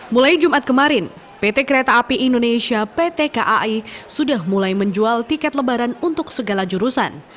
mulai jumat kemarin pt kereta api indonesia pt kai sudah mulai menjual tiket lebaran untuk segala jurusan